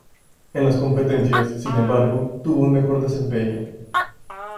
En las competencias, sin embargo, tuvo un mejor desempeño.